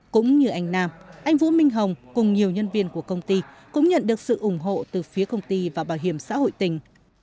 cũng như anh nam anh vũ minh hồng cùng nhiều nhân viên của công ty cũng nhận được sự ủng hộ từ phía công ty và bảo hiểm xã hội tỉnh